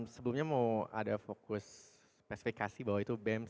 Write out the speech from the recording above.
sebelumnya mau ada fokus spesifikasi bahwa itu bem sipa columbia